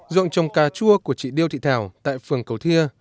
ruộng trồng cà chua của chị điêu thị thảo tại phường cầu thia